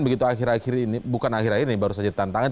begitu akhir akhir ini bukan akhir akhir ini baru saja tantangan